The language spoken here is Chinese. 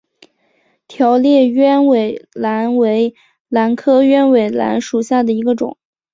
条裂鸢尾兰为兰科鸢尾兰属下的一个种。